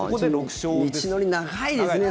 道のり、長いですね。